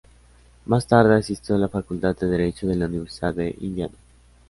Más tarde asistió a la Facultad de Derecho de la Universidad de Indiana.